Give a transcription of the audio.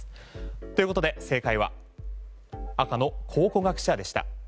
ということで正解は赤の考古学者でした。